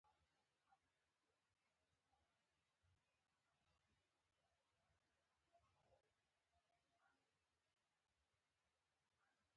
نو په د وخت کې دصمد پلار جبار